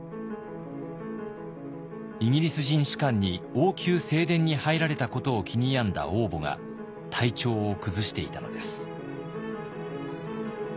イギリス人士官に王宮正殿に入られたことを気に病んだ王母が体調を崩していたのです。